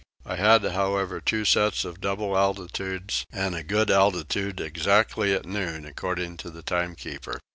I had however two sets of double altitudes and a good altitude exactly at noon according to the timekeeper.